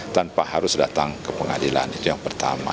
tanpa harus datang ke pengadilan itu yang pertama